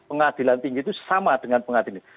pengadilan tinggi itu sama dengan pengadilan